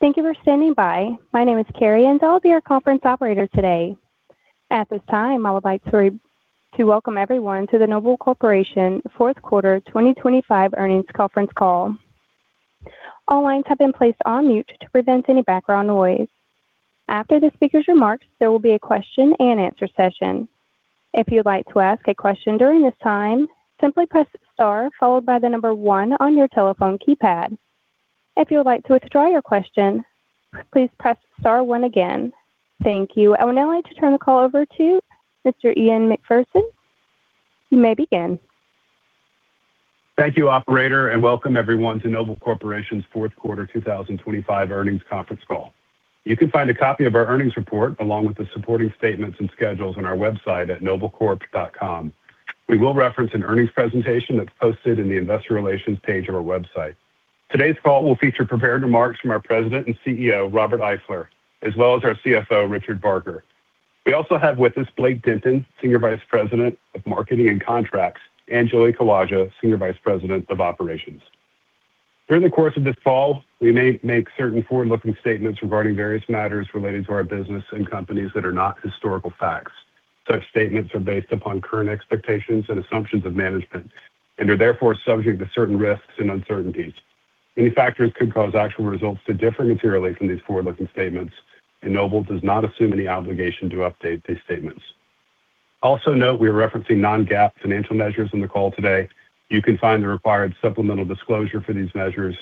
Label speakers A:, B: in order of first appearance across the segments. A: Thank you for standing by. My name is Carrie, and I'll be your conference operator today. At this time, I would like to welcome everyone to the Noble Corporation Fourth Quarter 2025 Earnings Conference Call. All lines have been placed on mute to prevent any background noise. After the speaker's remarks, there will be a question-and-answer session. If you'd like to ask a question during this time, simply press Star followed by the number 1 on your telephone keypad. If you would like to withdraw your question, please press Star one again. Thank you. I would now like to turn the call over to Mr. Ian Macpherson. You may begin.
B: Thank you, operator, and welcome everyone to Noble Corporation's fourth quarter 2025 earnings conference call. You can find a copy of our earnings report, along with the supporting statements and schedules on our website at noblecorp.com. We will reference an earnings presentation that's posted in the Investor Relations page of our website. Today's call will feature prepared remarks from our President and CEO, Robert Eifler, as well as our CFO, Richard Barker. We also have with us Blake Denton, Senior Vice President of Marketing and Contracts, and Joey Kawalczak, Senior Vice President of Operations. During the course of this call, we may make certain forward-looking statements regarding various matters relating to our business and companies that are not historical facts. Such statements are based upon current expectations and assumptions of management and are therefore subject to certain risks and uncertainties. Many factors could cause actual results to differ materially from these forward-looking statements, and Noble does not assume any obligation to update these statements. Also note, we are referencing non-GAAP financial measures in the call today. You can find the required supplemental disclosure for these measures,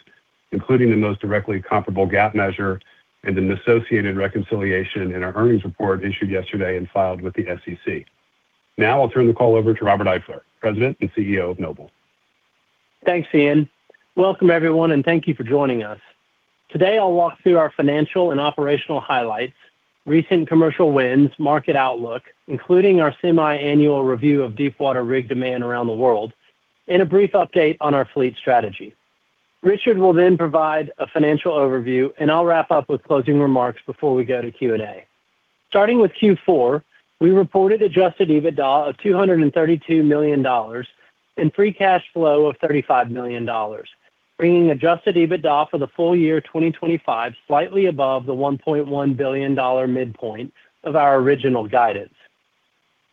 B: including the most directly comparable GAAP measure and an associated reconciliation in our earnings report issued yesterday and filed with the SEC. Now I'll turn the call over to Robert Eifler, President and CEO of Noble.
C: Thanks, Ian. Welcome, everyone, and thank you for joining us. Today, I'll walk through our financial and operational highlights, recent commercial wins, market outlook, including our semi-annual review of deepwater rig demand around the world, and a brief update on our fleet strategy. Richard will then provide a financial overview, and I'll wrap up with closing remarks before we go to Q&A. Starting with Q4, we reported adjusted EBITDA of $232 million and free cash flow of $35 million, bringing adjusted EBITDA for the full year 2025 slightly above the $1.1 billion midpoint of our original guidance.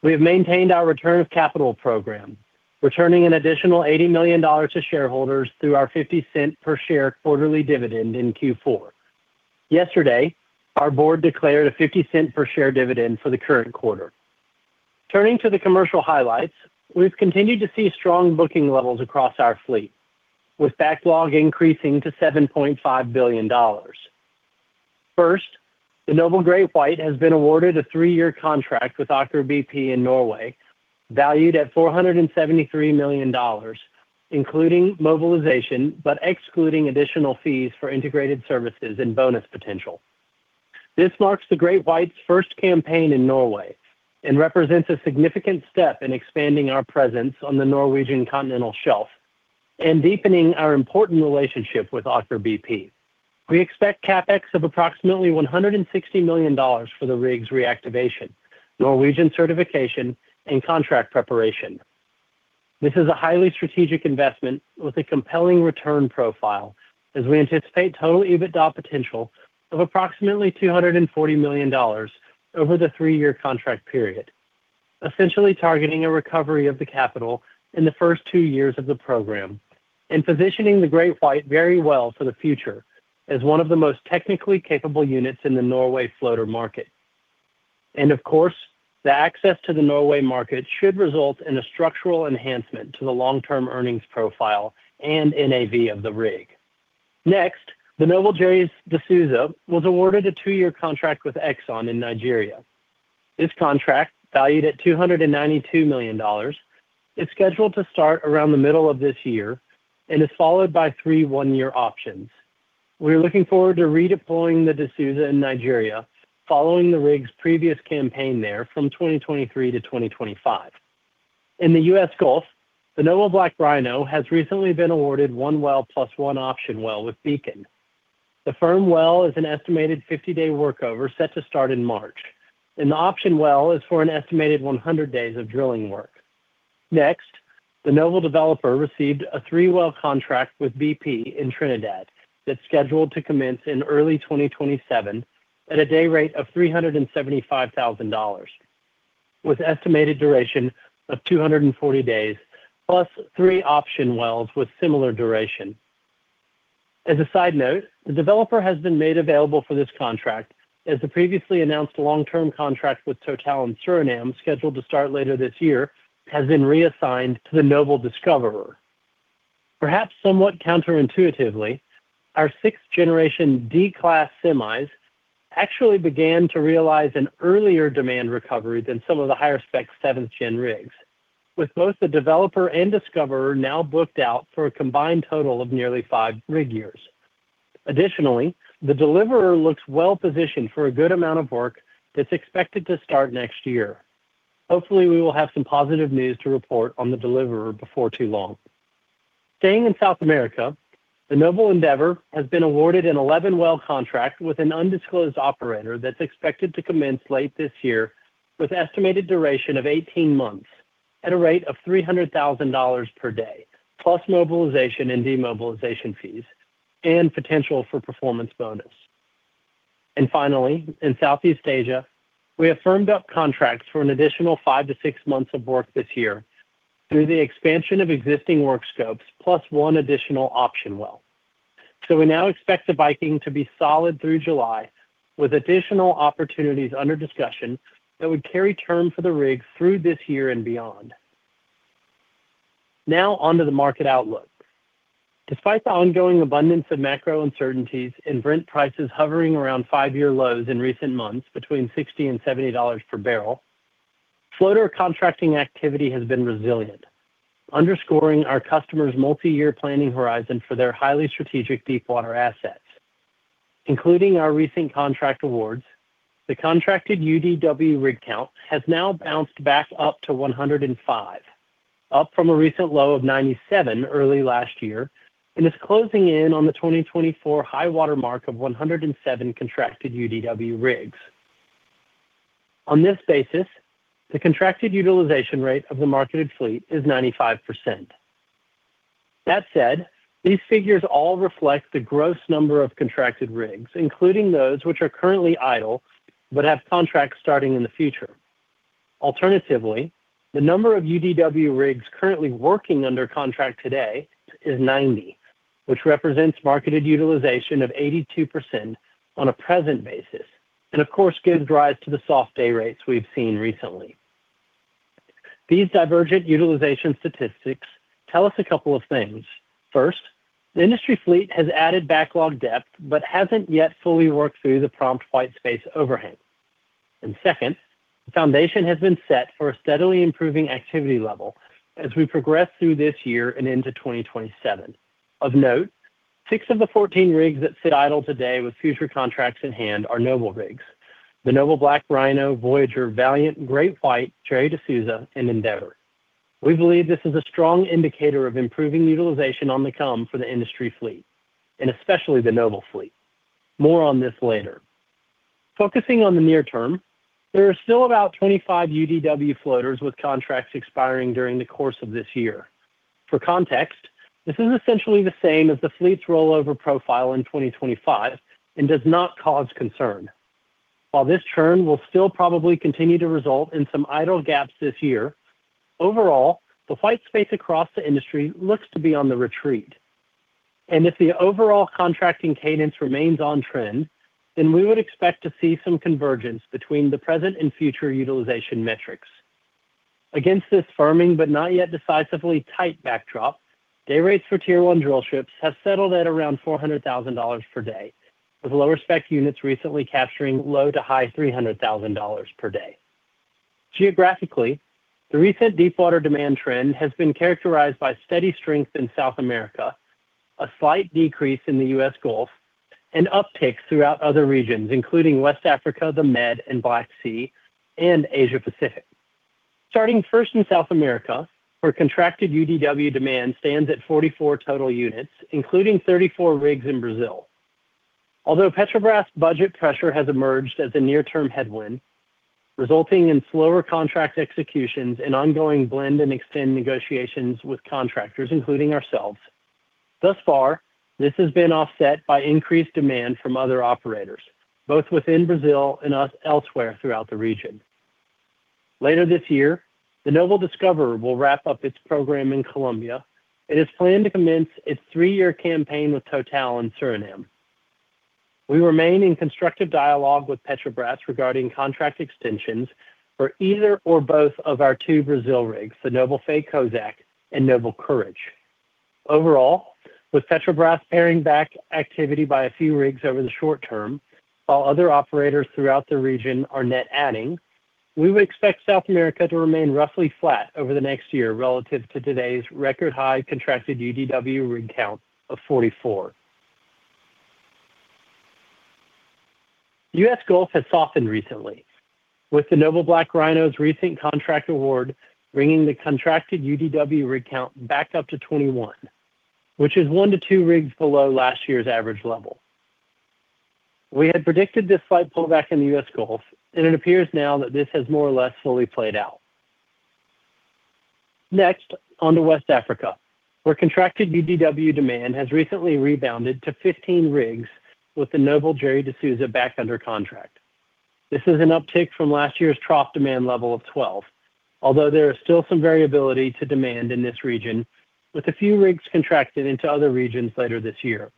C: We have maintained our return of capital program, returning an additional $80 million to shareholders through our $0.50 per share quarterly dividend in Q4. Yesterday, our board declared a $0.50 per share dividend for the current quarter. Turning to the commercial highlights, we've continued to see strong booking levels across our fleet, with backlog increasing to $7.5 billion. First, the Noble GreatWhite has been awarded a 3-year contract with Aker BP in Norway, valued at $473 million, including mobilization, but excluding additional fees for integrated services and bonus potential. This marks the GreatWhite's first campaign in Norway and represents a significant step in expanding our presence on the Norwegian Continental Shelf and deepening our important relationship with Aker BP. We expect CapEx of approximately $160 million for the rig's reactivation, Norwegian certification, and contract preparation. This is a highly strategic investment with a compelling return profile, as we anticipate total EBITDA potential of approximately $240 million over the 3-year contract period, essentially targeting a recovery of the capital in the first 2 years of the program and positioning the GreatWhite very well for the future as one of the most technically capable units in the Norway floater market. Of course, the access to the Norway market should result in a structural enhancement to the long-term earnings profile and NAV of the rig. Next, the Noble Gerry de Souza was awarded a 2-year contract with Exxon in Nigeria. This contract, valued at $292 million, is scheduled to start around the middle of this year and is followed by three 1-year options. We are looking forward to redeploying the de Souza in Nigeria, following the rig's previous campaign there from 2023 to 2025. In the U.S. Gulf, the Noble BlackRhino has recently been awarded 1 well plus 1 option well with Beacon. The firm well is an estimated 50-day workover set to start in March, and the option well is for an estimated 100 days of drilling work. Next, the Noble Developer received a 3-well contract with BP in Trinidad that's scheduled to commence in early 2027 at a day rate of $375,000, with estimated duration of 240 days, plus 3 option wells with similar duration. As a side note, the Developer has been made available for this contract as the previously announced long-term contract with Total in Suriname, scheduled to start later this year, has been reassigned to the Noble Discoverer. Perhaps somewhat counterintuitively, our sixth-generation D-class semis actually began to realize an earlier demand recovery than some of the higher-spec seventh-gen rigs, with both the Developer and Discoverer now booked out for a combined total of nearly 5 rig years. Additionally, the Deliverer looks well-positioned for a good amount of work that's expected to start next year. Hopefully, we will have some positive news to report on the Deliverer before too long. Staying in South America, the Noble Endeavor has been awarded an 11-well contract with an undisclosed operator that's expected to commence late this year with an estimated duration of 18 months. At a rate of $300,000 per day, plus mobilization and demobilization fees, and potential for performance bonus. And finally, in Southeast Asia, we have firmed up contracts for an additional 5-6 months of work this year through the expansion of existing work scopes, plus one additional option well. So we now expect the Viking to be solid through July, with additional opportunities under discussion that would carry term for the rig through this year and beyond. Now, onto the market outlook. Despite the ongoing abundance of macro uncertainties and Brent prices hovering around 5-year lows in recent months, between $60 and $70 per barrel, floater contracting activity has been resilient, underscoring our customers' multi-year planning horizon for their highly strategic deepwater assets. Including our recent contract awards, the contracted UDW rig count has now bounced back up to 105, up from a recent low of 97 early last year, and is closing in on the 2024 high watermark of 107 contracted UDW rigs. On this basis, the contracted utilization rate of the marketed fleet is 95%. That said, these figures all reflect the gross number of contracted rigs, including those which are currently idle but have contracts starting in the future. Alternatively, the number of UDW rigs currently working under contract today is 90, which represents marketed utilization of 82% on a present basis, and of course, gives rise to the soft day rates we've seen recently. These divergent utilization statistics tell us a couple of things. First, the industry fleet has added backlog depth, but hasn't yet fully worked through the prompt white space overhang. And second, the foundation has been set for a steadily improving activity level as we progress through this year and into 2027. Of note, six of the 14 rigs that sit idle today with future contracts in hand are Noble rigs. The Noble BlackRhino, Voyager, Valiant, GreatWhite, Gerry de Souza, and Endeavor. We believe this is a strong indicator of improving utilization on the come for the industry fleet, and especially the Noble fleet. More on this later. Focusing on the near term, there are still about 25 UDW floaters with contracts expiring during the course of this year. For context, this is essentially the same as the fleet's rollover profile in 2025 and does not cause concern. While this churn will still probably continue to result in some idle gaps this year, overall, the white space across the industry looks to be on the retreat. And if the overall contracting cadence remains on trend, then we would expect to see some convergence between the present and future utilization metrics. Against this firming but not yet decisively tight backdrop, day rates for Tier 1 drillships have settled at around $400,000 per day, with lower-spec units recently capturing low to high $300,000 per day. Geographically, the recent deepwater demand trend has been characterized by steady strength in South America, a slight decrease in the U.S. Gulf, and upticks throughout other regions, including West Africa, the Med and Black Sea, and Asia Pacific. Starting first in South America, where contracted UDW demand stands at 44 total units, including 34 rigs in Brazil. Although Petrobras' budget pressure has emerged as a near-term headwind, resulting in slower contract executions and ongoing blend and extend negotiations with contractors, including ourselves, thus far, this has been offset by increased demand from other operators, both within Brazil and in elsewhere throughout the region. Later this year, the Noble Discoverer will wrap up its program in Colombia and is planned to commence its three-year campaign with Total in Suriname. We remain in constructive dialogue with Petrobras regarding contract extensions for either or both of our two Brazil rigs, the Noble Faye Kozack and Noble Courage. Overall, with Petrobras paring back activity by a few rigs over the short term, while other operators throughout the region are net adding, we would expect South America to remain roughly flat over the next year relative to today's record-high contracted UDW rig count of 44. U.S. Gulf has softened recently, with the Noble BlackRhino's recent contract award, bringing the contracted UDW rig count back up to 21, which is 1-2 rigs below last year's average level. We had predicted this slight pullback in the U.S. Gulf, and it appears now that this has more or less fully played out. Next, on to West Africa, where contracted UDW demand has recently rebounded to 15 rigs with the Noble Jayes de Souza back under contract. This is an uptick from last year's trough demand level of 12, although there is still some variability to demand in this region, with a few rigs contracted into other regions later this year.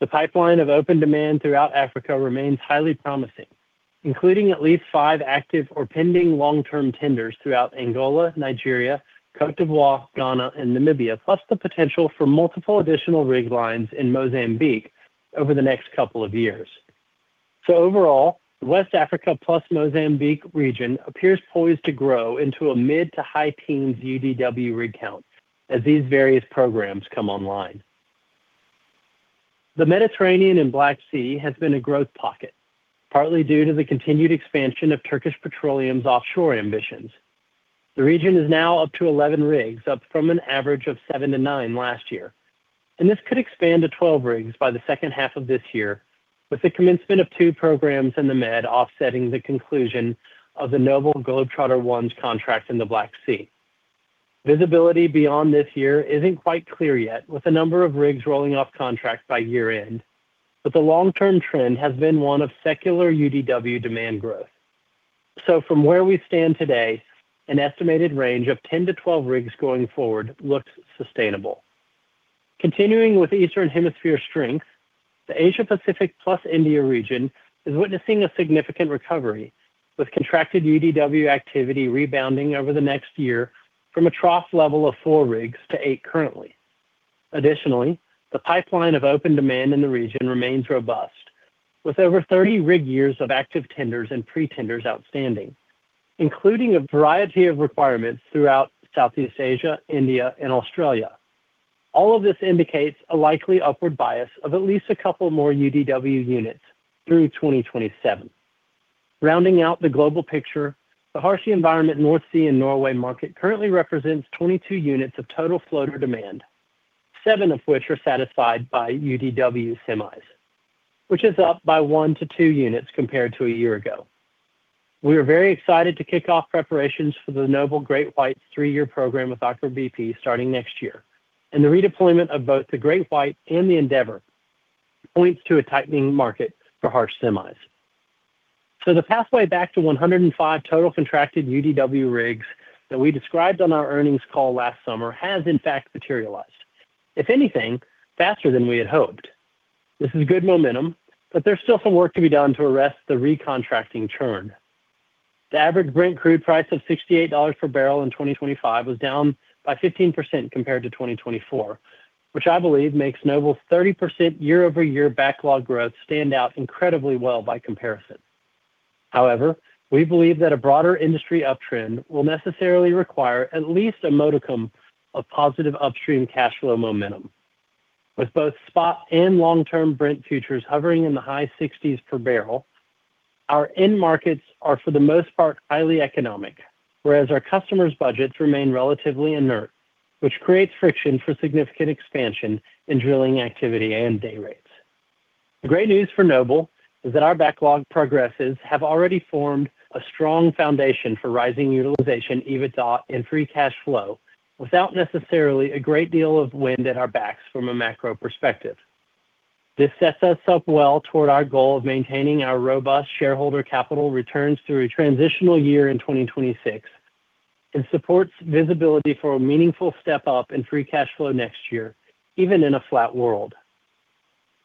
C: The pipeline of open demand throughout Africa remains highly promising, including at least 5 active or pending long-term tenders throughout Angola, Nigeria, Côte d'Ivoire, Ghana, and Namibia, plus the potential for multiple additional rig lines in Mozambique over the next couple of years. So overall, West Africa plus Mozambique region appears poised to grow into a mid to high teens UDW rig count as these various programs come online. The Mediterranean and Black Sea has been a growth pocket, partly due to the continued expansion of Turkish Petroleum's offshore ambitions. The region is now up to 11 rigs, up from an average of 7-9 last year, and this could expand to 12 rigs by the second half of this year, with the commencement of 2 programs in the Med, offsetting the conclusion of the Noble Globetrotter I's contract in the Black Sea. Visibility beyond this year isn't quite clear yet, with a number of rigs rolling off contracts by year-end, but the long-term trend has been one of secular UDW demand growth. So from where we stand today, an estimated range of 10-12 rigs going forward looks sustainable. Continuing with Eastern Hemisphere strength, the Asia Pacific plus India region is witnessing a significant recovery, with contracted UDW activity rebounding over the next year from a trough level of 4-8 rigs currently. Additionally, the pipeline of open demand in the region remains robust, with over 30 rig years of active tenders and pre-tenders outstanding, including a variety of requirements throughout Southeast Asia, India, and Australia. All of this indicates a likely upward bias of at least a couple more UDW units through 2027. Rounding out the global picture, the harsh environment, North Sea and Norway market currently represents 22 units of total floater demand, 7 of which are satisfied by UDW semis, which is up by 1-2 units compared to a year ago. We are very excited to kick off preparations for the Noble GreatWhite's 3-year program with our BP starting next year, and the redeployment of both the GreatWhite and the Endeavor points to a tightening market for harsh semis. So the pathway back to 105 total contracted UDW rigs that we described on our earnings call last summer has in fact materialized, if anything, faster than we had hoped. This is good momentum, but there's still some work to be done to arrest the recontracting churn. The average Brent crude price of $68 per barrel in 2025 was down by 15% compared to 2024, which I believe makes Noble 30% year-over-year backlog growth stand out incredibly well by comparison. However, we believe that a broader industry uptrend will necessarily require at least a modicum of positive upstream cash flow momentum. With both spot and long-term Brent futures hovering in the high 60s per barrel, our end markets are, for the most part, highly economic, whereas our customers' budgets remain relatively inert, which creates friction for significant expansion in drilling activity and day rates. The great news for Noble is that our backlog progresses have already formed a strong foundation for rising utilization, EBITDA, and free cash flow, without necessarily a great deal of wind at our backs from a macro perspective. This sets us up well toward our goal of maintaining our robust shareholder capital returns through a transitional year in 2026, and supports visibility for a meaningful step-up in free cash flow next year, even in a flat world.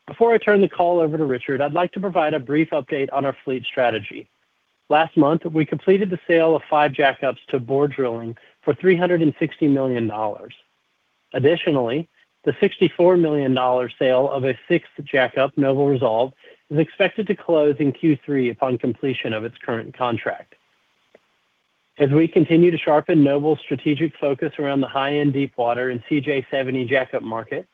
C: Before I turn the call over to Richard, I'd like to provide a brief update on our fleet strategy. Last month, we completed the sale of five jackups to Borr Drilling for $360 million. Additionally, the $64 million sale of a sixth jackup, Noble Resolve, is expected to close in Q3 upon completion of its current contract. As we continue to sharpen Noble's strategic focus around the high-end deepwater and CJ70 jackup market,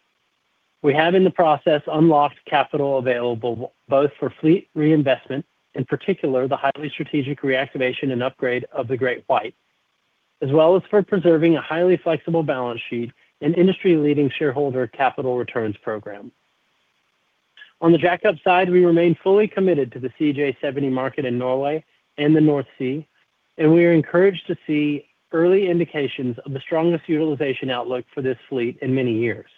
C: we have, in the process, unlocked capital available both for fleet reinvestment, in particular, the highly strategic reactivation and upgrade of the GreatWhite, as well as for preserving a highly flexible balance sheet and industry-leading shareholder capital returns program. On the jackup side, we remain fully committed to the CJ70 market in Norway and the North Sea, and we are encouraged to see early indications of the strongest utilization outlook for this fleet in many years.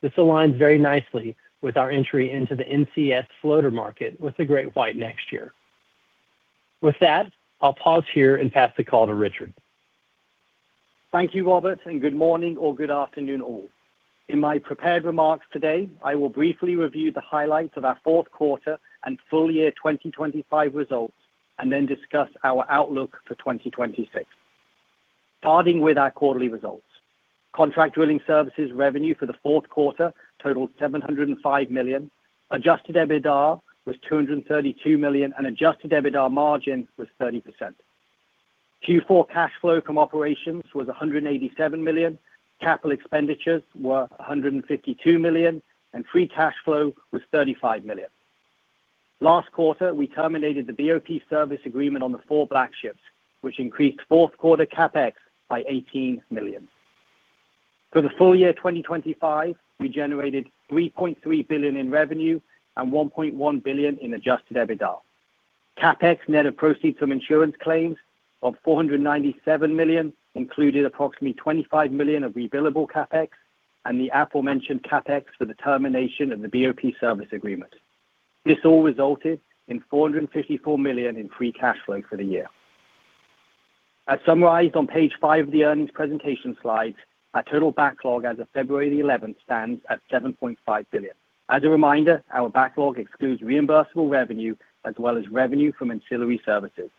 C: This aligns very nicely with our entry into the NCS floater market with the GreatWhite next year. With that, I'll pause here and pass the call to Richard.
D: Thank you, Robert, and good morning or good afternoon, all. In my prepared remarks today, I will briefly review the highlights of our fourth quarter and full year 2025 results and then discuss our outlook for 2026. Starting with our quarterly results. Contract drilling services revenue for the fourth quarter totaled $705 million. Adjusted EBITDA was $232 million, and adjusted EBITDA margin was 30%. Q4 cash flow from operations was $187 million, capital expenditures were $152 million, and free cash flow was $35 million. Last quarter, we terminated the BOP service agreement on the four black ships, which increased fourth quarter CapEx by $18 million. For the full year 2025, we generated $3.3 billion in revenue and $1.1 billion in adjusted EBITDA. CapEx, net of proceeds from insurance claims of $497 million, included approximately $25 million of rebillable CapEx and the aforementioned CapEx for the termination of the BOP service agreement. This all resulted in $454 million in free cash flow for the year. As summarized on page 5 of the earnings presentation slides, our total backlog as of February 11 stands at $7.5 billion. As a reminder, our backlog excludes reimbursable revenue as well as revenue from ancillary services.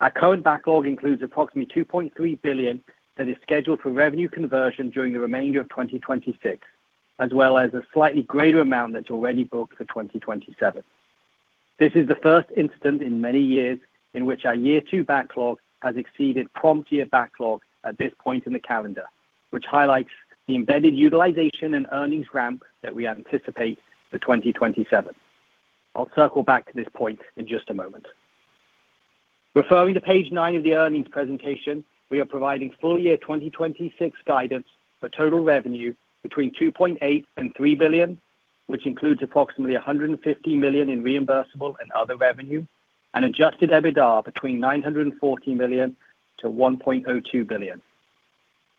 D: Our current backlog includes approximately $2.3 billion that is scheduled for revenue conversion during the remainder of 2026, as well as a slightly greater amount that's already booked for 2027. This is the first incident in many years in which our year two backlog has exceeded prompt year backlog at this point in the calendar, which highlights the embedded utilization and earnings ramp that we anticipate for 2027. I'll circle back to this point in just a moment. Referring to page 9 of the earnings presentation, we are providing full year 2026 guidance for total revenue between $2.8 billion-$3 billion, which includes approximately $150 million in reimbursable and other revenue, and adjusted EBITDA between $940 million-$1.02 billion.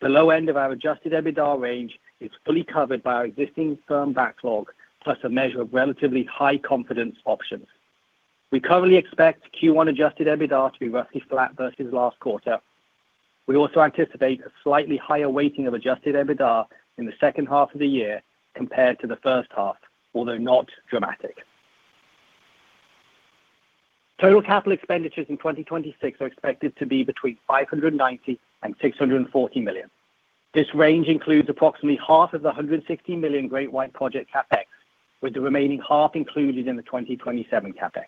D: The low end of our adjusted EBITDA range is fully covered by our existing firm backlog, plus a measure of relatively high confidence options. We currently expect Q1 adjusted EBITDA to be roughly flat versus last quarter. We also anticipate a slightly higher weighting of Adjusted EBITDA in the second half of the year compared to the first half, although not dramatic. Total capital expenditures in 2026 are expected to be between $590 million and $640 million. This range includes approximately half of the $160 million GreatWhite project CapEx, with the remaining half included in the 2027 CapEx.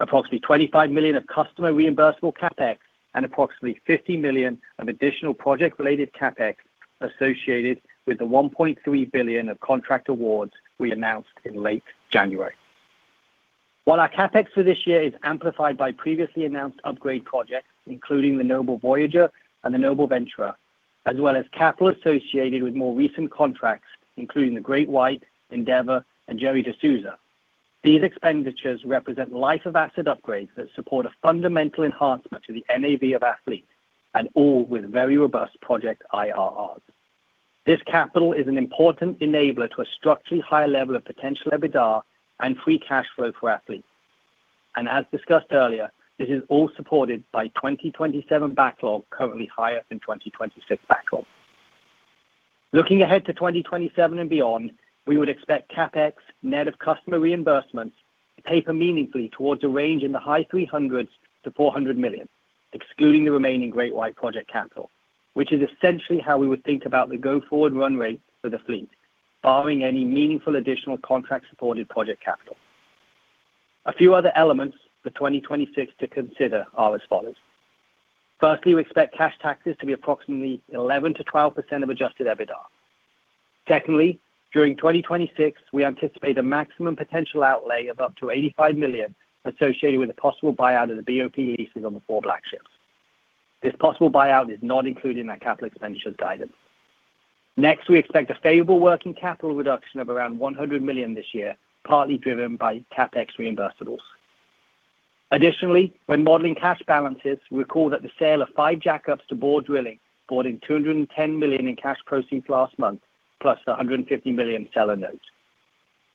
D: Approximately $25 million of customer reimbursable CapEx and approximately $50 million of additional project-related CapEx associated with the $1.3 billion of contract awards we announced in late January. While our CapEx for this year is amplified by previously announced upgrade projects, including the Noble Voyager and the Noble Venturer, as well as capital associated with more recent contracts, including the GreatWhite, Endeavor, and Jayes de Souza. These expenditures represent life of asset upgrades that support a fundamental enhancement to the NAV of the assets and all with very robust project IRRs. This capital is an important enabler to a structurally higher level of potential EBITDA and free cash flow for the assets. As discussed earlier, this is all supported by 2027 backlog, currently higher than 2026 backlog. Looking ahead to 2027 and beyond, we would expect CapEx, net of customer reimbursements, to taper meaningfully towards a range in the high $300s to $400 million, excluding the remaining GreatWhite project capital, which is essentially how we would think about the go-forward run rate for the fleet, barring any meaningful additional contract-supported project capital. A few other elements for 2026 to consider are as follows: firstly, we expect cash taxes to be approximately 11%-12% of adjusted EBITDA. Secondly, during 2026, we anticipate a maximum potential outlay of up to $85 million associated with a possible buyout of the BOP leases on the four black ships. This possible buyout is not included in our capital expenditures guidance. Next, we expect a favorable working capital reduction of around $100 million this year, partly driven by CapEx reimbursables. Additionally, when modeling cash balances, we call that the sale of five jackups to Borr Drilling brought in $210 million in cash proceeds last month, plus $150 million seller notes.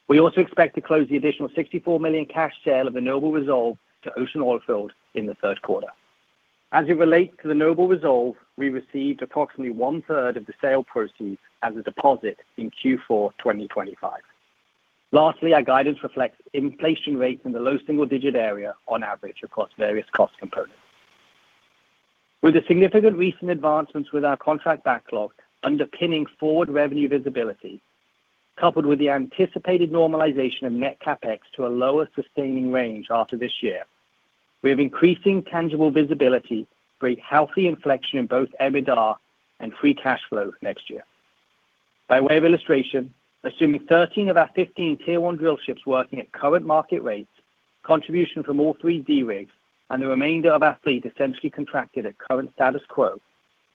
D: We also expect to close the additional $64 million cash sale of the Noble Resolve to Ocean Oilfield in the third quarter. As it relates to the Noble Resolve, we received approximately one-third of the sale proceeds as a deposit in Q4 2025. Lastly, our guidance reflects inflation rates in the low single-digit area on average across various cost components. With the significant recent advancements with our contract backlog underpinning forward revenue visibility, coupled with the anticipated normalization of net CapEx to a lower sustaining range after this year, we have increasing tangible visibility for a healthy inflection in both EBITDA and free cash flow next year. By way of illustration, assuming 13 of our 15 Tier One drill ships working at current market rates, contribution from all three D rigs and the remainder of our fleet essentially contracted at current status quo,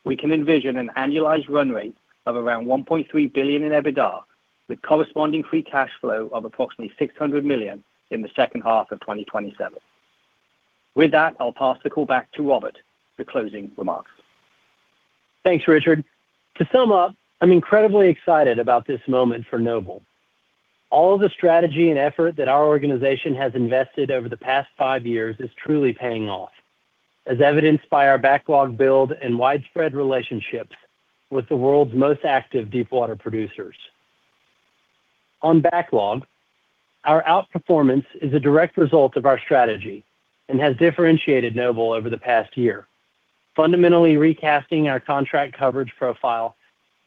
D: we can envision an annualized run rate of around $1.3 billion in EBITDA, with corresponding free cash flow of approximately $600 million in the second half of 2027. With that, I'll pass the call back to Robert for closing remarks.
C: Thanks, Richard. To sum up, I'm incredibly excited about this moment for Noble. All the strategy and effort that our organization has invested over the past five years is truly paying off, as evidenced by our backlog build and widespread relationships with the world's most active deepwater producers. On backlog, our outperformance is a direct result of our strategy and has differentiated Noble over the past year, fundamentally recasting our contract coverage profile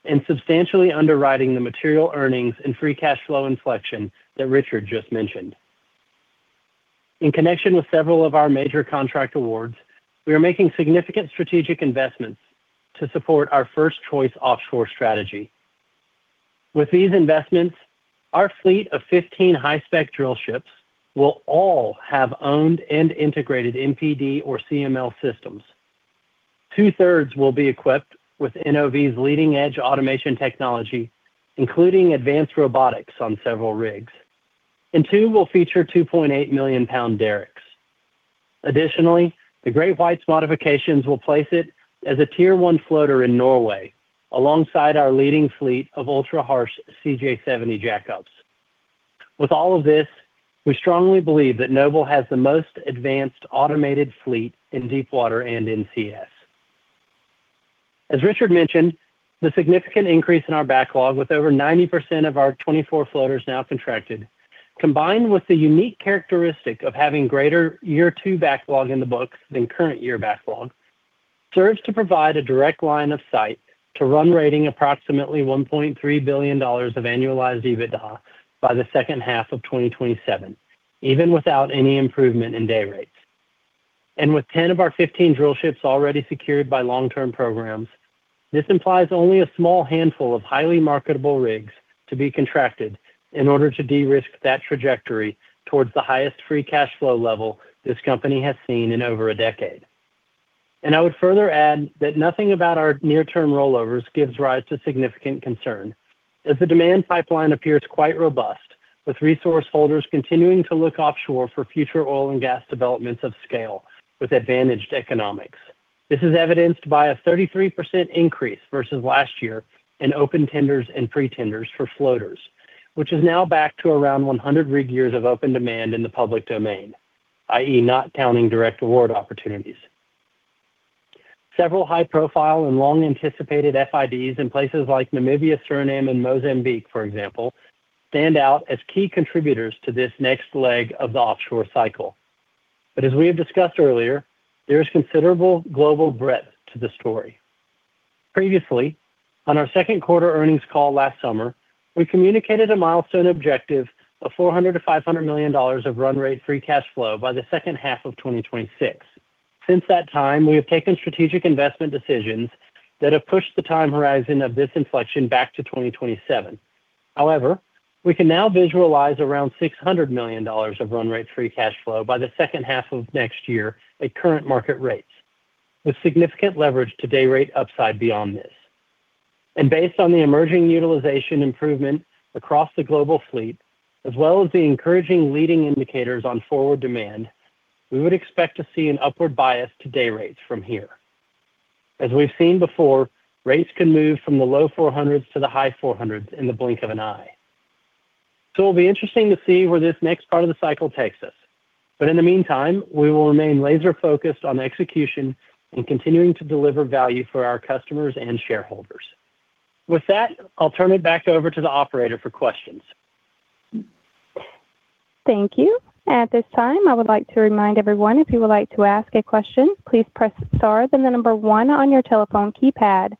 C: and substantially underwriting the material earnings and free cash flow inflection that Richard just mentioned. In connection with several of our major contract awards, we are making significant strategic investments to support our first-choice offshore strategy. With these investments, our fleet of 15 high-spec drillships will all have owned and integrated MPD or CML systems. Two-thirds will be equipped with NOV's leading-edge automation technology, including advanced robotics on several rigs, and two will feature 2.8 million lbs derricks. Additionally, the GreatWhite's modifications will place it as a Tier 1 floater in Norway, alongside our leading fleet of ultra-harsh CJ70 jackups. With all of this, we strongly believe that Noble has the most advanced automated fleet in deepwater and in NCS. As Richard mentioned, the significant increase in our backlog, with over 90% of our 24 floaters now contracted, combined with the unique characteristic of having greater year two backlog in the books than current year backlog, serves to provide a direct line of sight to run rate approximately $1.3 billion of annualized EBITDA by the second half of 2027, even without any improvement in day rates. With 10 of our 15 drillships already secured by long-term programs. This implies only a small handful of highly marketable rigs to be contracted in order to de-risk that trajectory towards the highest free cash flow level this company has seen in over a decade. And I would further add that nothing about our near-term rollovers gives rise to significant concern, as the demand pipeline appears quite robust, with resource holders continuing to look offshore for future oil and gas developments of scale with advantaged economics. This is evidenced by a 33% increase versus last year in open tenders and pretenders for floaters, which is now back to around 100 rig years of open demand in the public domain, i.e., not counting direct award opportunities. Several high-profile and long-anticipated FIDs in places like Namibia, Suriname, and Mozambique, for example, stand out as key contributors to this next leg of the offshore cycle. But as we have discussed earlier, there is considerable global breadth to the story. Previously, on our second quarter earnings call last summer, we communicated a milestone objective of $400 million-$500 million of run rate free cash flow by the second half of 2026. Since that time, we have taken strategic investment decisions that have pushed the time horizon of this inflection back to 2027. However, we can now visualize around $600 million of run rate free cash flow by the second half of next year at current market rates, with significant leverage to day rate upside beyond this. Based on the emerging utilization improvement across the global fleet, as well as the encouraging leading indicators on forward demand, we would expect to see an upward bias to day rates from here. As we've seen before, rates can move from the low $400s to the high $400s in the blink of an eye. It'll be interesting to see where this next part of the cycle takes us. In the meantime, we will remain laser-focused on execution and continuing to deliver value for our customers and shareholders. With that, I'll turn it back over to the operator for questions.
A: Thank you. At this time, I would like to remind everyone, if you would like to ask a question, please press star, then the number one on your telephone keypad.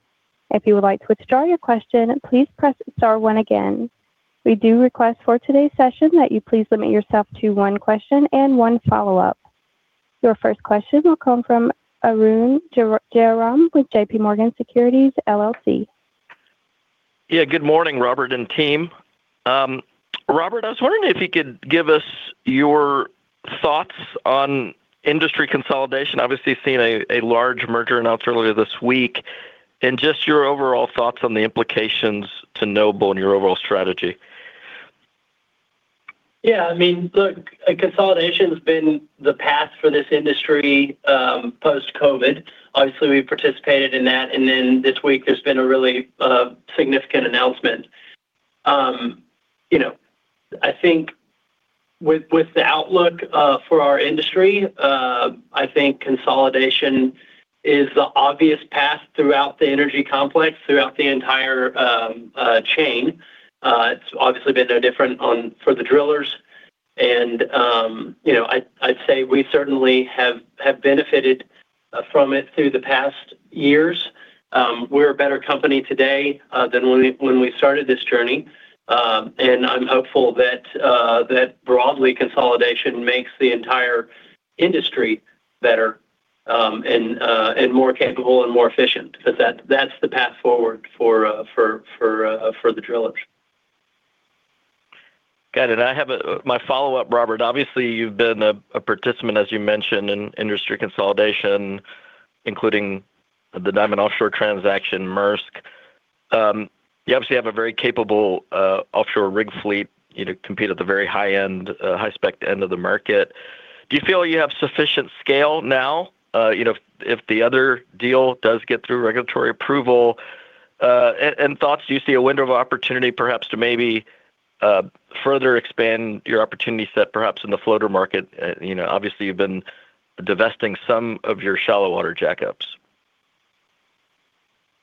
A: If you would like to withdraw your question, please press star one again. We do request for today's session that you please limit yourself to one question and one follow-up. Your first question will come from Arun Jayaram with JPMorgan Securities LLC.
E: Yeah, good morning, Robert and team. Robert, I was wondering if you could give us your thoughts on industry consolidation. Obviously, seeing a large merger announced earlier this week, and just your overall thoughts on the implications to Noble and your overall strategy.
C: Yeah, I mean, look, consolidation has been the path for this industry, post-COVID. Obviously, we participated in that, and then this week there's been a really, significant announcement. You know, I think with, with the outlook, for our industry, I think consolidation is the obvious path throughout the energy complex, throughout the entire, chain. It's obviously been no different for the drillers. And, you know, I'd, I'd say we certainly have, have benefited, from it through the past years. We're a better company today, than when we, when we started this journey. And I'm hopeful that, that broadly, consolidation makes the entire industry better, and, and more capable and more efficient, because that's, that's the path forward for, for, for, for the drillers.
E: Got it. I have my follow-up, Robert. Obviously, you've been a participant, as you mentioned, in industry consolidation, including the Diamond Offshore transaction, Maersk. You obviously have a very capable offshore rig fleet, you know, compete at the very high-end, high-spec end of the market. Do you feel you have sufficient scale now, you know, if the other deal does get through regulatory approval? And thoughts, do you see a window of opportunity, perhaps, to maybe further expand your opportunity set, perhaps in the floater market? You know, obviously, you've been divesting some of your shallow water jackups.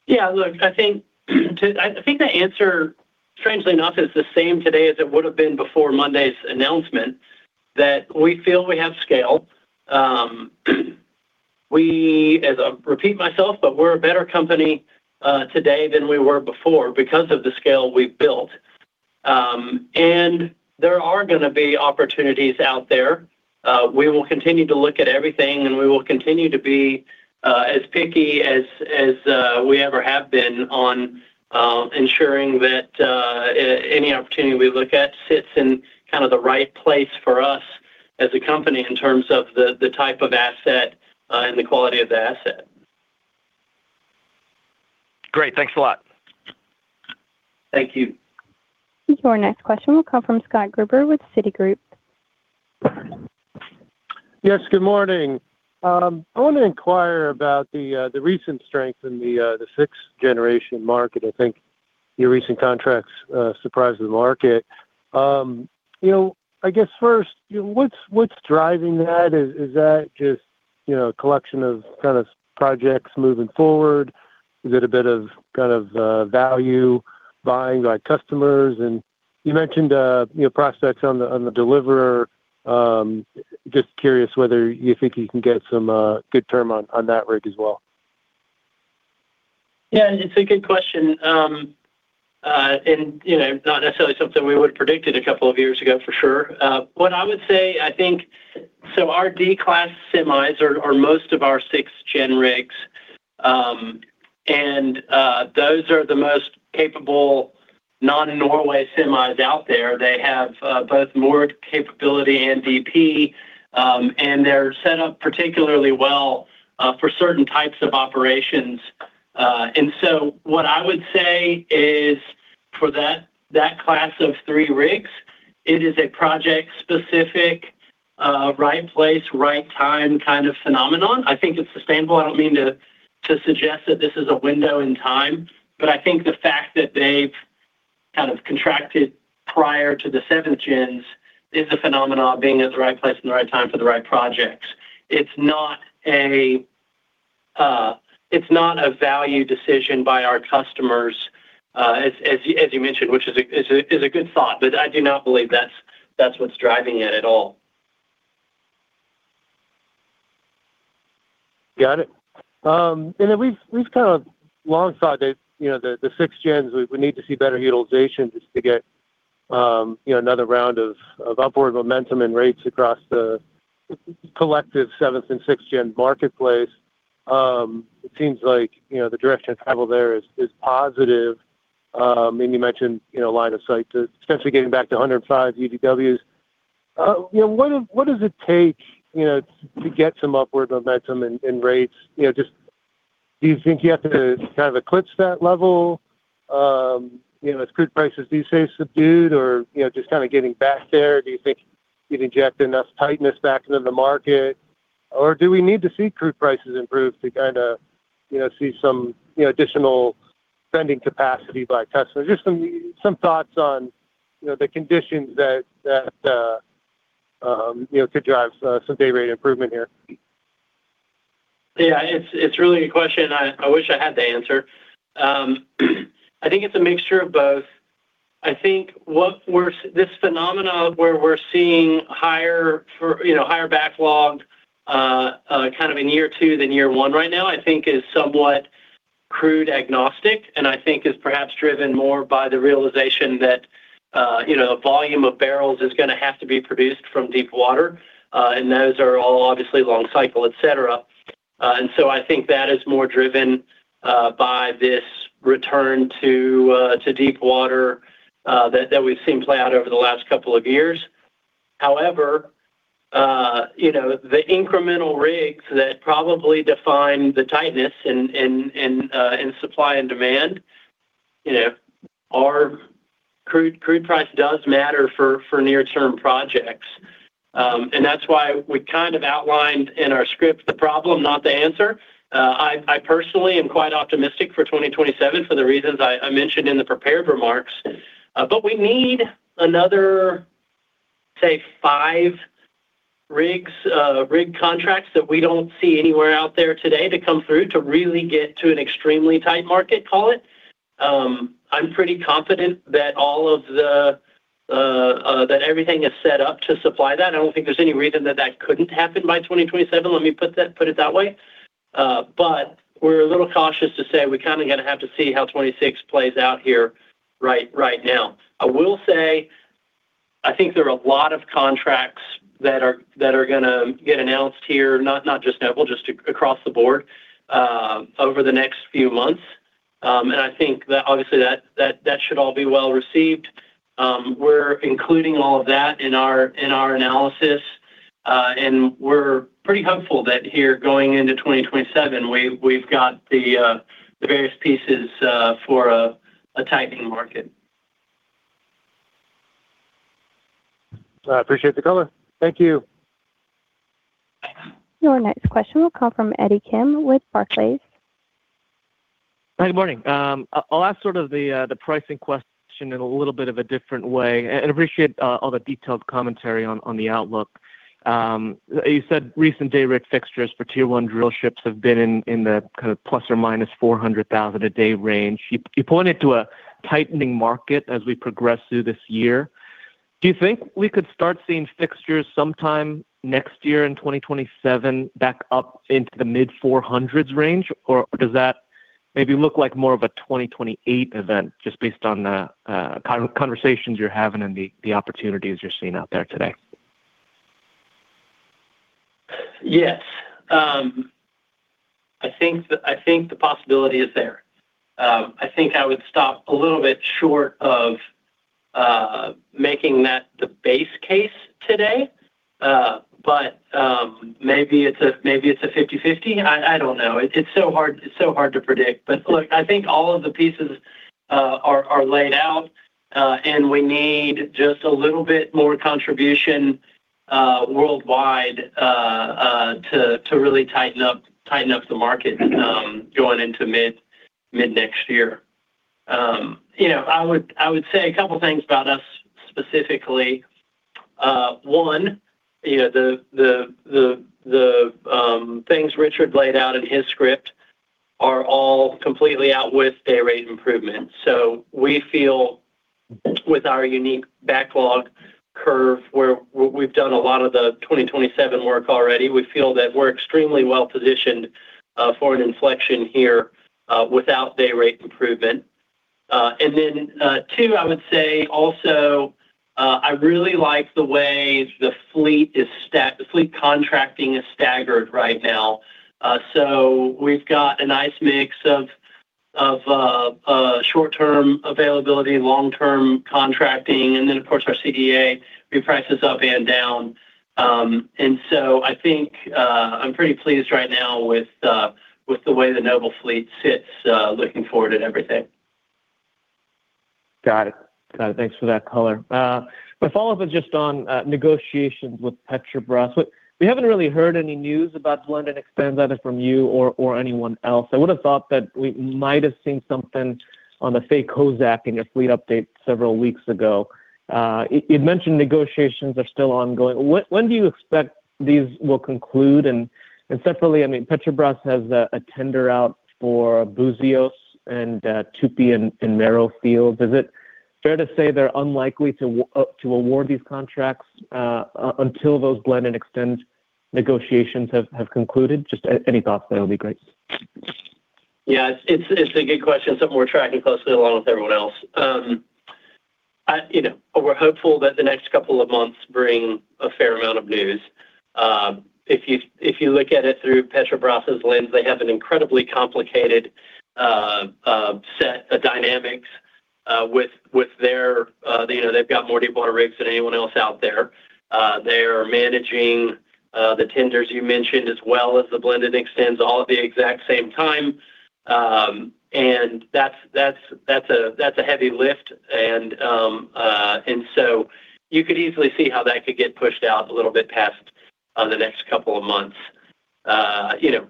C: Yeah, look, I think the answer, strangely enough, is the same today as it would have been before Monday's announcement, that we feel we have scale. As I repeat myself, but we're a better company today than we were before because of the scale we've built. And there are gonna be opportunities out there. We will continue to look at everything, and we will continue to be as picky as we ever have been on ensuring that any opportunity we look at sits in kind of the right place for us as a company in terms of the type of asset and the quality of the asset.
E: Great. Thanks a lot.
C: Thank you.
A: Your next question will come from Scott Gruber with Citigroup.
F: Yes, good morning. I want to inquire about the, the recent strength in the, the sixth-generation market. I think your recent contracts, surprised the market. You know, I guess first, what's, what's driving that? Is, is that just, you know, a collection of kind of projects moving forward? Is it a bit of kind of, value buying by customers? And you mentioned, you know, prospects on the, on the Deliverer. Just curious whether you think you can get some, good term on, on that rig as well.
C: Yeah, it's a good question. And, you know, not necessarily something we would have predicted a couple of years ago, for sure. What I would say, I think, so our D-class semis are most of our sixth-gen rigs, and those are the most capable non-Norway semis out there. They have both more capability and DP, and they're set up particularly well for certain types of operations. And so what I would say is for that class of three rigs, it is a project-specific, right place, right time kind of phenomenon. I think it's sustainable. I don't mean to suggest that this is a window in time, but I think the fact that they've kind of contracted prior to the seventh gens is a phenomenon being at the right place and the right time for the right projects. It's not a value decision by our customers, as you mentioned, which is a good thought, but I do not believe that's what's driving it at all.
F: Got it. And then we've kind of long thought that, you know, the sixth-gens, we need to see better utilization just to get, you know, another round of upward momentum and rates across the collective seventh- and sixth-gen marketplace. It seems like, you know, the direction of travel there is positive. And you mentioned, you know, line of sight to potentially getting back to 105 UDWs. You know, what does it take, you know, to get some upward momentum and rates? You know, just do you think you have to kind of eclipse that level? You know, as crude prices, do you say subdued or, you know, just kind of getting back there? Do you think you've injected enough tightness back into the market, or do we need to see crude prices improve to kind of, you know, see some, you know, additional spending capacity by customers? Just some thoughts on, you know, the conditions that you know, could drive some day rate improvement here.
C: Yeah, it's really a question I wish I had the answer. I think it's a mixture of both. I think what we're seeing this phenomenon where we're seeing higher for, you know, higher backlog kind of in year two than year one right now, I think is somewhat crude agnostic, and I think is perhaps driven more by the realization that, you know, volume of barrels is gonna have to be produced from deepwater, and those are all obviously long cycle, et cetera. And so I think that is more driven by this return to deepwater that we've seen play out over the last couple of years. However, you know, the incremental rigs that probably define the tightness in in supply and demand, you know, our crude price does matter for near-term projects. And that's why we kind of outlined in our script, the problem, not the answer. I personally am quite optimistic for 2027, for the reasons I mentioned in the prepared remarks. But we need another, say, 5 rig contracts that we don't see anywhere out there today to really get to an extremely tight market, call it. I'm pretty confident that everything is set up to supply that. I don't think there's any reason that that couldn't happen by 2027. Let me put that, put it that way. But we're a little cautious to say we're kind of gonna have to see how 2026 plays out here right, right now. I will say, I think there are a lot of contracts that are, that are gonna get announced here, not, not just Noble, just across the board, over the next few months. And I think that obviously that, that, that should all be well received. We're including all of that in our, in our analysis, and we're pretty hopeful that here going into 2027, we've, we've got the, the various pieces, for a, a tightening market.
F: I appreciate the color. Thank you.
A: Your next question will come from Eddie Kim with Barclays.
G: Hi, good morning. I'll ask sort of the pricing question in a little bit of a different way and appreciate all the detailed commentary on the outlook. You said recent day rig fixtures for Tier 1 drill ships have been in the kind of ±$400,000 a day range. You pointed to a tightening market as we progress through this year. Do you think we could start seeing fixtures sometime next year in 2027 back up into the mid-$400,000s range, or does that maybe look like more of a 2028 event, just based on the conversations you're having and the opportunities you're seeing out there today?
C: Yes. I think the possibility is there. I think I would stop a little bit short of making that the base case today, but maybe it's a 50/50. I don't know. It's so hard, it's so hard to predict. But look, I think all of the pieces are laid out, and we need just a little bit more contribution worldwide to really tighten up the market going into mid-next year. You know, I would say a couple things about us specifically. One, you know, the things Richard laid out in his script are all completely out with day rate improvement. So we feel- With our unique backlog curve, where we've done a lot of the 2027 work already, we feel that we're extremely well-positioned for an inflection here without day rate improvement. And then, 2, I would say also, I really like the way the fleet contracting is staggered right now. So we've got a nice mix of short-term availability, long-term contracting. And then, of course, our CEA, we price this up and down. And so I think, I'm pretty pleased right now with the way the Noble fleet sits looking forward at everything.
G: Got it. Got it. Thanks for that color. My follow-up is just on negotiations with Petrobras. We, we haven't really heard any news about blend and extend, either from you or, or anyone else. I would've thought that we might have seen something on the Faye Kozack in your fleet update several weeks ago. You'd mentioned negotiations are still ongoing. When, when do you expect these will conclude? And, and separately, I mean, Petrobras has a tender out for Búzios and Tupi and Mero Fields. Is it fair to say they're unlikely to award these contracts until those blend and extend negotiations have concluded? Just any thoughts there will be great.
C: Yeah, it's a good question, something we're tracking closely along with everyone else. You know, we're hopeful that the next couple of months bring a fair amount of news. If you look at it through Petrobras' lens, they have an incredibly complicated set of dynamics with their. You know, they've got more deepwater rigs than anyone else out there. They are managing the tenders you mentioned, as well as the blend and extends all at the exact same time. And that's a heavy lift. And so you could easily see how that could get pushed out a little bit past the next couple of months. You know,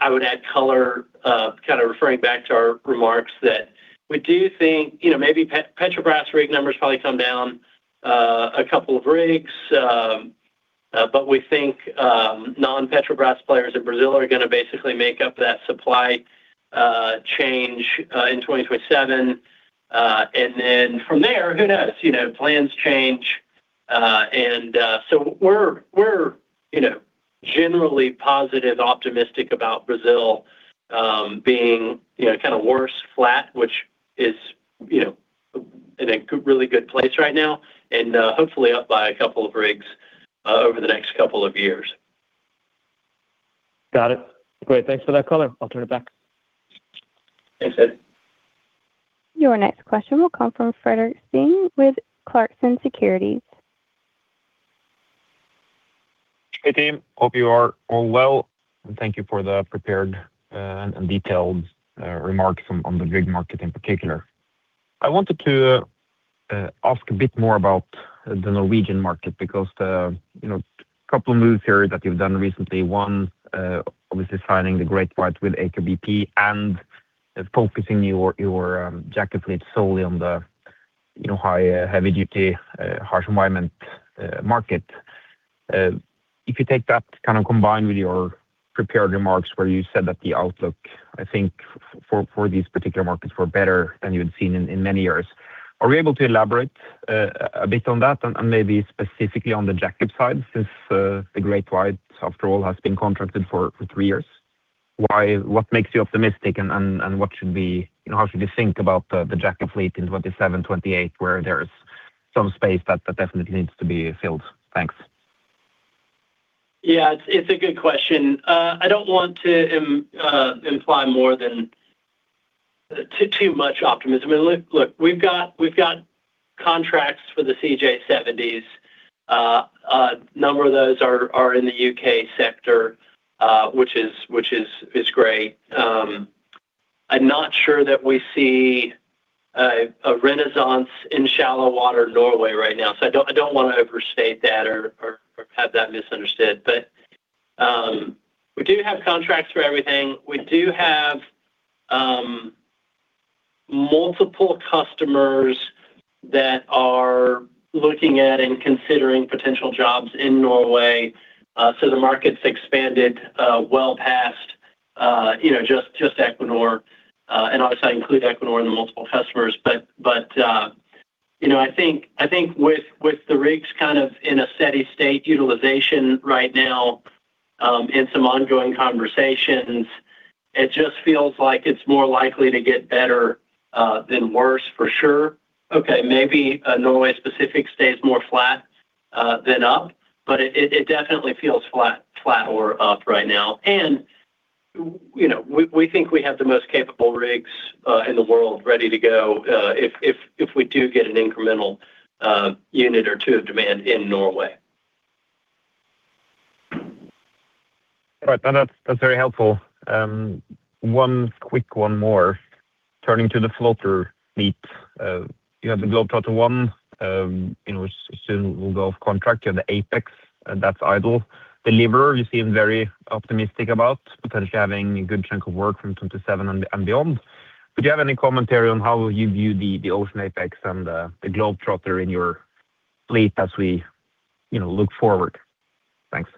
C: I would add color, kind of referring back to our remarks, that we do think, you know, maybe Petrobras rig numbers probably come down, a couple of rigs. But we think, non-Petrobras players in Brazil are gonna basically make up that supply change, in 2027. And then from there, who knows? You know, plans change. And, so we're, we're, you know, generally positive, optimistic about Brazil, being, you know, kind of worse flat, which is, you know, in a really good place right now and, hopefully up by a couple of rigs, over the next couple of years.
G: Got it. Great, thanks for that color. I'll turn it back.
C: Thanks, Ed.
A: Your next question will come from Fredrik Stene with Clarksons Securities.
H: Hey, team, hope you are all well, and thank you for the prepared, and detailed, remarks on, on the rig market in particular. I wanted to, ask a bit more about the Norwegian market because the, you know, couple moves here that you've done recently, one, obviously signing the Great White with Aker BP and focusing your, your, jackup fleet solely on the, you know, high, heavy duty, harsh environment, market. If you take that kind of combined with your prepared remarks where you said that the outlook, I think for, for these particular markets were better than you had seen in, in many years. Are you able to elaborate, a bit on that and, and maybe specifically on the jackup side, since, the Great White, after all, has been contracted for, for three years? What makes you optimistic and what should we. You know, how should we think about the jackup fleet in 2027, 2028, where there's some space that definitely needs to be filled? Thanks.
C: Yeah, it's a good question. I don't want to imply more than too much optimism. I mean, look, we've got contracts for the CJ70s. A number of those are in the UK sector, which is great. I'm not sure that we see a renaissance in shallow water Norway right now, so I don't wanna overstate that or have that misunderstood. But we do have contracts for everything. We do have multiple customers that are looking at and considering potential jobs in Norway. So the market's expanded well past you know, just Equinor. And obviously, I include Equinor in the multiple customers. But, you know, I think with the rigs kind of in a steady state utilization right now, and some ongoing conversations, it just feels like it's more likely to get better than worse for sure. Okay, maybe Norway specific stays more flat than up, but it definitely feels flat or up right now. And, you know, we think we have the most capable rigs in the world ready to go, if we do get an incremental unit or two of demand in Norway.
H: All right, that's, that's very helpful. One quick one more. Turning to the floater fleet. You have the Globetrotter I, you know, soon will go off contract. You have the Apex, and that's idle. The Deliverer, you seem very optimistic about potentially having a good chunk of work from 2027 and beyond. Do you have any commentary on how you view the Ocean Apex and the Globetrotter in your fleet as we, you know, look forward? Thanks.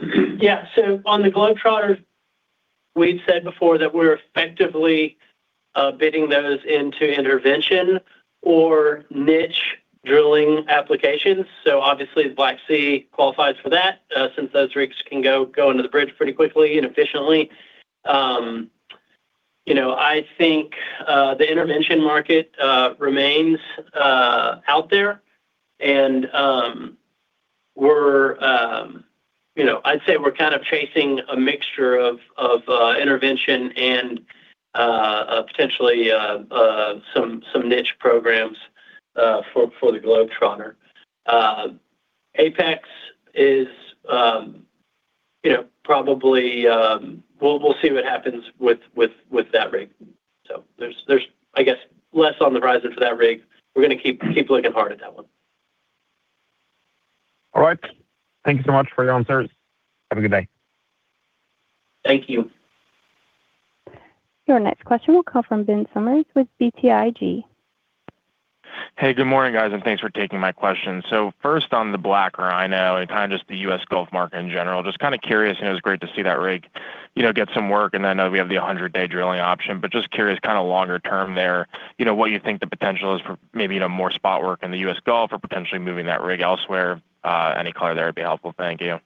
C: Yeah, so on the Globetrotter, we've said before that we're effectively bidding those into intervention or niche drilling applications. So obviously, the Black Sea qualifies for that, since those rigs can go under the bridge pretty quickly and efficiently. You know, I think the intervention market remains out there. And we're, you know, I'd say we're kind of chasing a mixture of intervention and potentially some niche programs for the Globetrotter. Apex is, you know, probably we'll see what happens with that rig. So there's, I guess, less on the horizon for that rig. We're gonna keep looking hard at that one.
H: All right. Thank you so much for your answers. Have a good day.
C: Thank you.
A: Your next question will come from Ben Summers with BTIG.
I: Hey, good morning, guys, and thanks for taking my question. So first on the Black Rhino and kind of just the U.S. Gulf market in general, just kind of curious, and it was great to see that rig, you know, get some work. And I know we have the 100-day drilling option, but just curious, kind of longer term there, you know, what you think the potential is for maybe, you know, more spot work in the U.S. Gulf or potentially moving that rig elsewhere? Any color there would be helpful. Thank you.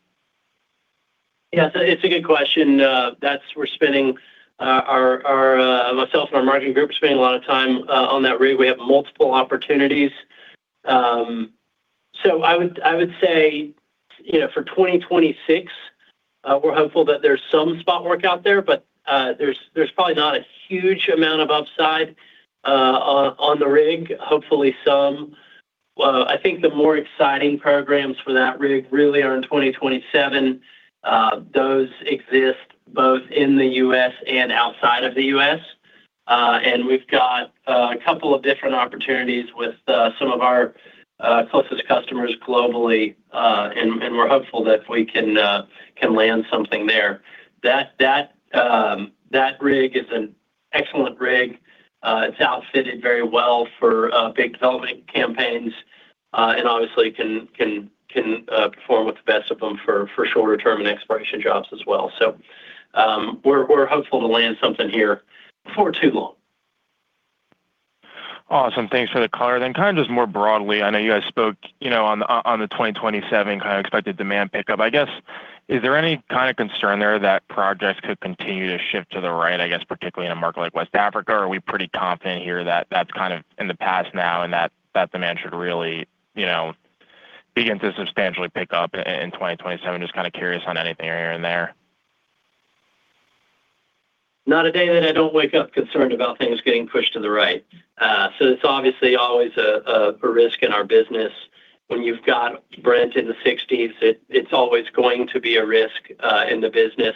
C: Yes, it's a good question. That's we're spending our, our, myself and our marketing group spending a lot of time on that rig. We have multiple opportunities. So I would, I would say, you know, for 2026, we're hopeful that there's some spot work out there, but there's, there's probably not a huge amount of upside on, on the rig. Hopefully some. Well, I think the more exciting programs for that rig really are in 2027. Those exist both in the US and outside of the US. And we've got a couple of different opportunities with some of our closest customers globally. And we're hopeful that we can land something there. That, that, that rig is an excellent rig. It's outfitted very well for big development campaigns, and obviously can perform with the best of them for shorter-term and exploration jobs as well. So, we're hopeful to land something here before too long.
I: Awesome. Thanks for the color, then. Kind of just more broadly, I know you guys spoke, you know, on the, on the 2027 kind of expected demand pickup. I guess, is there any kind of concern there that projects could continue to shift to the right, I guess, particularly in a market like West Africa? Or are we pretty confident here that that's kind of in the past now, and that, that demand should really, you know, begin to substantially pick up in 2027? Just kind of curious on anything here and there.
C: Not a day that I don't wake up concerned about things getting pushed to the right. So it's obviously always a risk in our business. When you've got Brent in the 60s, it's always going to be a risk in the business.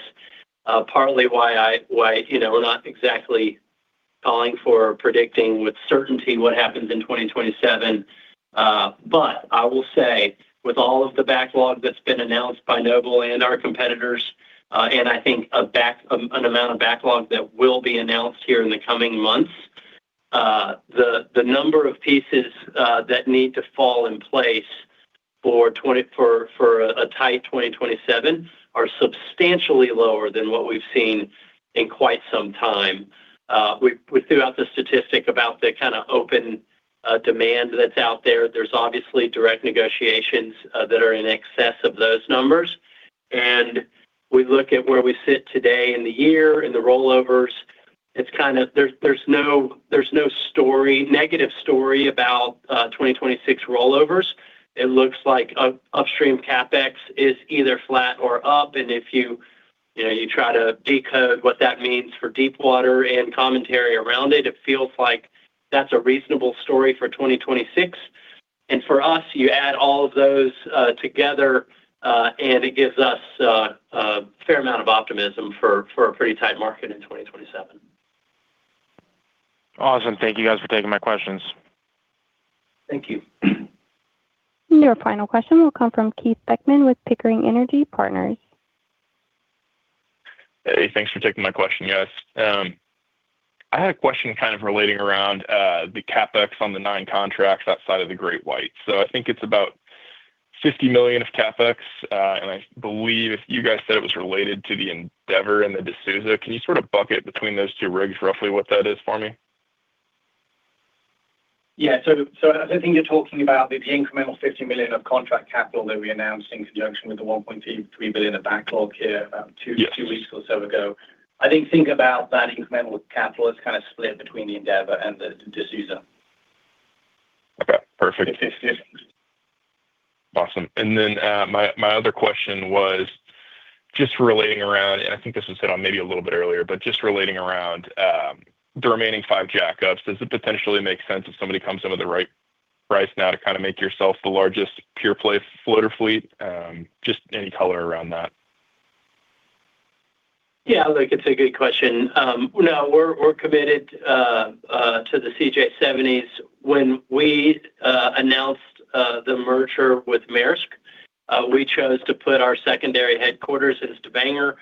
C: Partly why, you know, we're not exactly calling for predicting with certainty what happens in 2027. But I will say, with all of the backlog that's been announced by Noble and our competitors, and I think an amount of backlog that will be announced here in the coming months, the number of pieces that need to fall in place for a tight 2027 are substantially lower than what we've seen in quite some time. We, we threw out the statistic about the kind of open demand that's out there. There's obviously direct negotiations that are in excess of those numbers, and we look at where we sit today in the year, in the rollovers. It's kind of there's no story, negative story about 2026 rollovers. It looks like upstream CapEx is either flat or up, and if you, you know, you try to decode what that means for deepwater and commentary around it, it feels like that's a reasonable story for 2026. And for us, you add all of those together, and it gives us a fair amount of optimism for a pretty tight market in 2027.
I: Awesome. Thank you, guys, for taking my questions.
C: Thank you.
A: Your final question will come from Keith Beckman with Pickering Energy Partners.
J: Hey, thanks for taking my question, guys. I had a question kind of relating around the CapEx on the nine contracts outside of the GreatWhite. So I think it's about $50 million of CapEx, and I believe you guys said it was related to the Endeavor and the Jayes de Souza. Can you sort of bucket between those two rigs, roughly what that is for me?
C: Yeah, so I think you're talking about the incremental $50 million of contract capital that we announced in conjunction with the $1.33 billion of backlog here.
J: Yes
C: two weeks or so ago. I think about that incremental capital as kind of split between the Endeavor and the de Souza.
J: Okay, perfect.
C: Yes, yes.
J: Awesome. And then, my, my other question was just relating around, and I think this was said on maybe a little bit earlier, but just relating around, the remaining five jackups. Does it potentially make sense if somebody comes in with the right price now to kind of make yourself the largest pure-play floater fleet? Just any color around that.
C: Yeah, look, it's a good question. No, we're committed to the CJ70s. When we announced the merger with Maersk, we chose to put our secondary headquarters in Stavanger.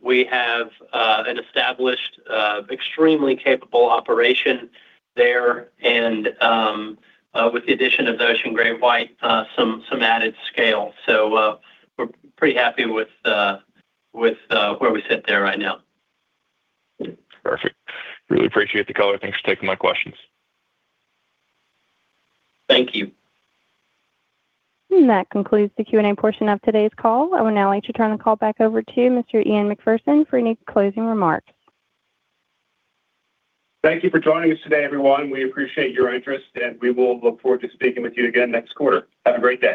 C: We have an established, extremely capable operation there and, with the addition of the Noble GreatWhite, some added scale. So, we're pretty happy with where we sit there right now.
J: Perfect. Really appreciate the color. Thanks for taking my questions.
C: Thank you.
A: That concludes the Q&A portion of today's call. I would now like to turn the call back over to Mr. Ian Macpherson for any closing remarks.
B: Thank you for joining us today, everyone. We appreciate your interest, and we will look forward to speaking with you again next quarter. Have a great day.